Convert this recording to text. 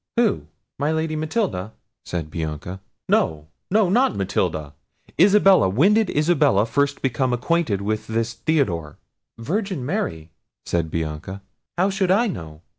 "Who! my Lady Matilda?" said Bianca. "No, no, not Matilda: Isabella; when did Isabella first become acquainted with this Theodore!" "Virgin Mary!" said Bianca, "how should I know?"